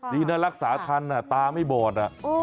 ดีนะรักษาทันตาไม่บอด